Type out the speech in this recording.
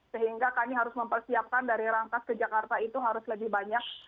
sehingga kami harus mempersiapkan dari rangkas ke jakarta itu harus lebih banyak